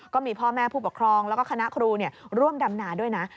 ก็มีพ่อแม่ผู้ปกครองแล้วก็คณะครูร่วมดำนาด้วยนะ